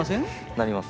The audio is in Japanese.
なります。